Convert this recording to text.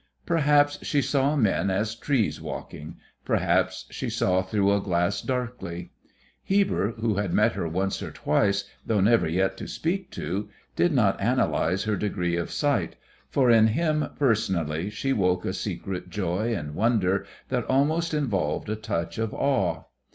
Perhaps she saw men as trees walking, perhaps she saw through a glass darkly. Heber, who had met her once or twice, though never yet to speak to, did not analyse her degree of sight, for in him, personally, she woke a secret joy and wonder that almost involved a touch of awe.